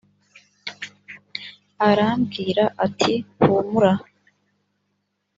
arambwira ati humura